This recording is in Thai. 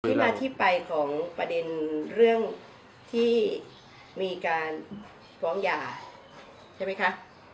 ที่มาที่ไปของประเด็นเรื่องที่มีการฟ้องหย่าใช่ไหมคะ